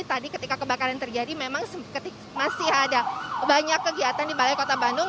tadi ketika kebakaran terjadi memang masih ada banyak kegiatan di balai kota bandung